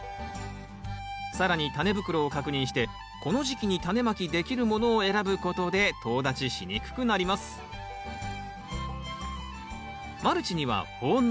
更にタネ袋を確認してこの時期にタネまきできるものを選ぶことでとう立ちしにくくなります。